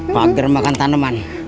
pak dermakan taneman